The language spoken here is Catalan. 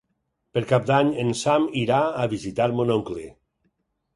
Per Cap d'Any en Sam irà a visitar mon oncle.